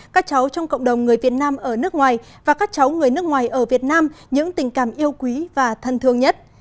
các cháu trong cộng đồng người việt nam ở nước ngoài và các cháu người nước ngoài ở việt nam những tình cảm yêu quý và thân thương nhất